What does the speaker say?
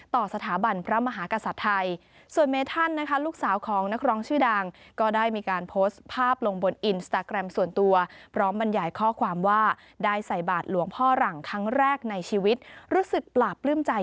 ต่อสถาบันพระมหากษัตริย์ไทย